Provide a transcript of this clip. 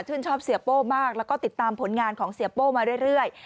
ชอบเสียโป้มากแล้วก็ติดตามผลงานของเสียโป้มาเรื่อย